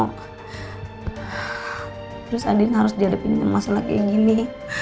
terus andin harus dihadapi masalah kayak gini